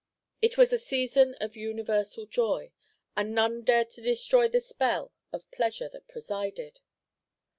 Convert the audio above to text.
It was a season of universal joy, and none dared to destroy the spell of pleasure that presided.